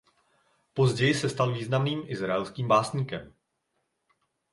Později se stal významným izraelským básníkem.